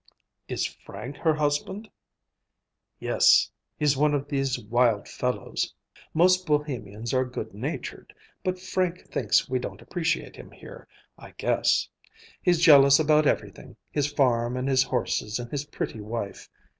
"Is Frank her husband?" "Yes. He's one of these wild fellows. Most Bohemians are good natured, but Frank thinks we don't appreciate him here, I guess. He's jealous about everything, his farm and his horses and his pretty wife.